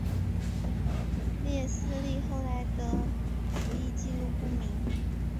列斯利后来的服役纪录不明。